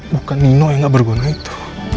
bukan nino yang gak berguna itu